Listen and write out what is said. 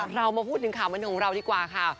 เรามาพูดถึงข่าวบันเทิงของเราดีกว่าค่ะ